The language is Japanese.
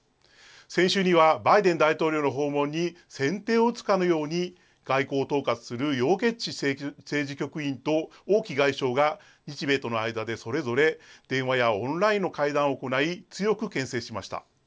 先週にはバイデン大統領の訪問に先手を打つかのように外交を統括する楊潔ち政治局委員と王毅外相が日米との間で、それぞれ電話やオンラインの会談を行い、強くけん制しました。